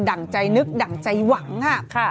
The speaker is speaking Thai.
่งใจนึกดั่งใจหวังค่ะ